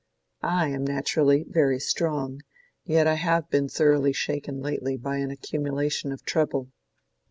I am naturally very strong; yet I have been thoroughly shaken lately by an accumulation of trouble."